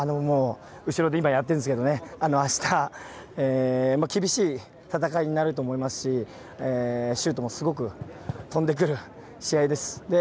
後ろでやっているんですけどあした、厳しい戦いになると思いますしシュートもすごく飛んでくる試合です。